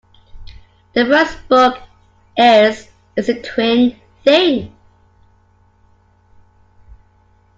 The first book is "It's a Twin Thing".